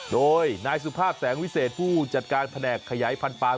โดยนายสุภาพแสงวิเศษผู้จัดการแผนกขยายพันธปาง